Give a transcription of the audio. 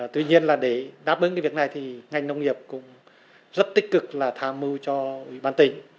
tuy nhiên là để đáp ứng cái việc này thì ngành nông nghiệp cũng rất tích cực là tham mưu cho ủy ban tỉnh